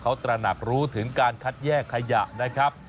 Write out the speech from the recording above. เขาตระหนักรู้ถึงการคัดแยกขยะนะครับ